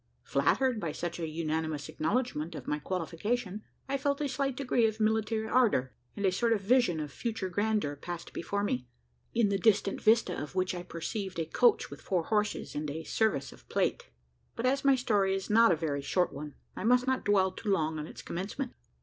Flattered by such an unanimous acknowledgment of my qualification, I felt a slight degree of military ardour, and a sort of vision of future grandeur passed before me, in the distant vista of which I perceived a coach with four horses, and a service of plate. But as my story is not a very short one, I must not dwell too long on its commencement.